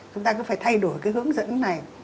chúng ta cứ phải thay đổi cái hướng dẫn này